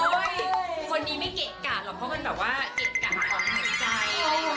เกะกะไหมโอ้ยคนนี้ไม่เกะกะหรอกเพราะมันแบบว่าเกะกะกองในใจ